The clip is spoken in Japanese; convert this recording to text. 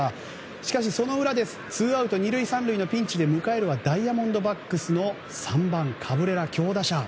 しかしその裏ツーアウト２塁３塁のピンチで迎えるはダイヤモンドバックスの３番カブレラ、強打者。